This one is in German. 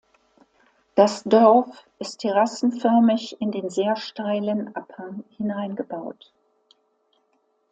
Das Dorf ist terrassenförmig in den sehr steilen Abhang hineingebaut.